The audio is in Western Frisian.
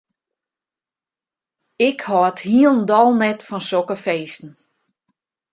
Ik hâld hielendal net fan sokke feesten.